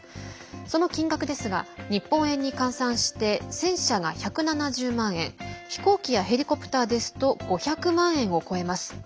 その金額ですが日本円に換算して戦車が１７０万円飛行機やヘリコプターですと５００万円を超えます。